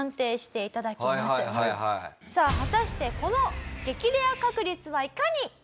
さあ果たしてこの激レア確率はいかに！？